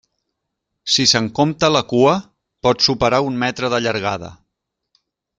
Si se'n compta la cua, pot superar un metre de llargada.